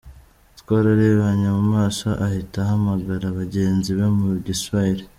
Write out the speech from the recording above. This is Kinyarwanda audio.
Twararebanye mu maso, ahita ahamagara bagenzi be mu Giswahili.